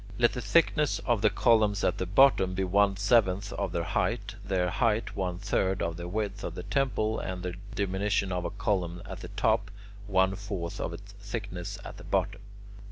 Let the thickness of the columns at the bottom be one seventh of their height, their height one third of the width of the temple, and the diminution of a column at the top, one fourth of its thickness at the bottom.